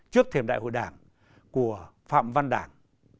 trước thềm đại hội đảng của phạm văn đảng